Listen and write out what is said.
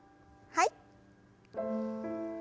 はい。